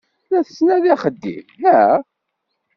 La tettnadiḍ axeddim, naɣ?